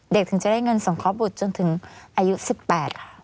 ถึงจะได้เงินสงเคราะหบุตรจนถึงอายุ๑๘ค่ะ